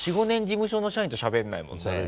４５年事務所の社員としゃべんないもんね。